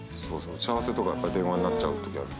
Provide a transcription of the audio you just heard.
打ち合わせとか電話になっちゃうときある。